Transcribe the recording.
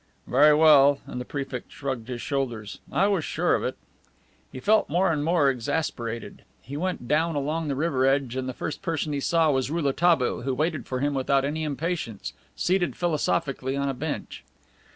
"Very well," and the Prefect shrugged his shoulders. "I was sure of it." He felt more and more, exasperated. He went down along the river edge and the first person he saw was Rouletabille, who waited for him without any impatience, seated philosophically on a bench.